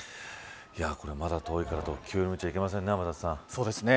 これ、まだ遠いからと気を抜いてはいけませんね